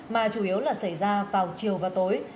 mà chủ yếu là xảy ra vào chiều và tối